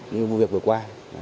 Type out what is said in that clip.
như vụ việc vừa qua